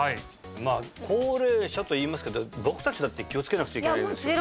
まあ高齢者といいますけど僕達だって気をつけなくちゃいけないですよね